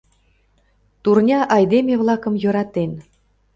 Турня айдеме-влакым йӧратен.